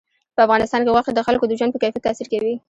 په افغانستان کې غوښې د خلکو د ژوند په کیفیت تاثیر کوي.